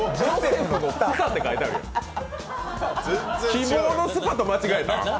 希望のすぱと間違えた？